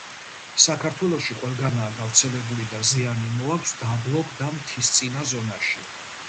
საქართველოში ყველგანაა გავრცელებული და ზიანი მოაქვს დაბლობ და მთისწინა ზონაში.